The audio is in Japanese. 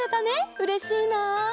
うれしいな。